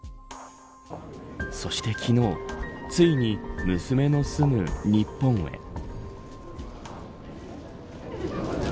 そして昨日ついに、娘の住む日本へ。